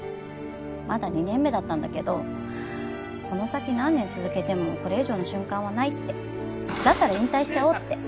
まだ２年目だったんだけどこの先何年続けてもこれ以上の瞬間はないってだったら引退しちゃおうって。